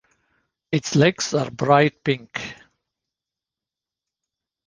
Its legs are bright pink.